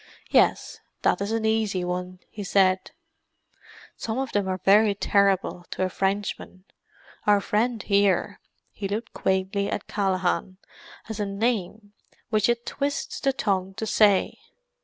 "Yes, that is an easy one," he said. "Some of them are very terrible, to a Frenchman; our friend here"—he looked quaintly at Callaghan—"has a name which it twists the tongue to say.